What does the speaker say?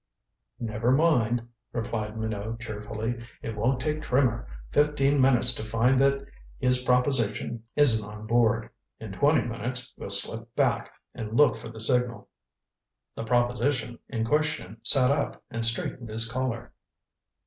"Never mind," replied Minot cheerfully. "It won't take Trimmer fifteen minutes to find that his proposition isn't on board. In twenty minutes we'll slip back and look for the signal." The "proposition" in question sat up and straightened his collar.